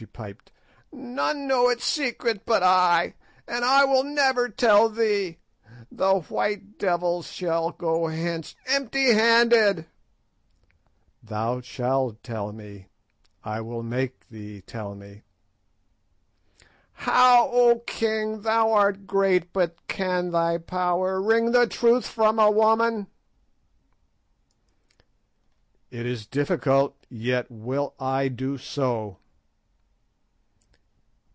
she piped, "none know its secret but I, and I will never tell thee. The white devils shall go hence empty handed." "Thou shalt tell me. I will make thee tell me." "How, O king? Thou art great, but can thy power wring the truth from a woman?" "It is difficult, yet will I do so."